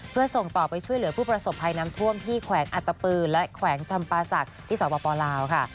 เพื่อส่งต่อไปช่วยเหลือผู้ประสบภัยน้ำท่วมที่แขวงอัตตปือและแขวงจำปาศักดิ์ที่สปลาวค่ะ